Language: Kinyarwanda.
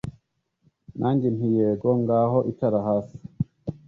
nanjye nti yego! ngaho icara hasi